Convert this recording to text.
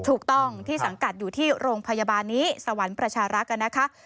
ถูกต้องที่สังกัดอยู่ที่โรงพยาบาลนี้สวรรค์ประชารักษ์นะคะ